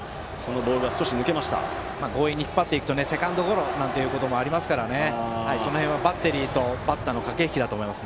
強引に引っ張っていくとセカンドゴロなんてのもあるのでその辺はバッテリーとバッターの駆け引きだと思います。